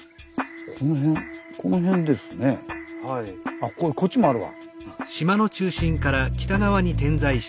あこっちもあるわ。